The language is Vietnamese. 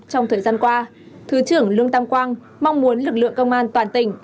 trong thời gian qua thứ trưởng lương tam quang mong muốn lực lượng công an toàn tỉnh